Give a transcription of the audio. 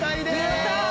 やったー！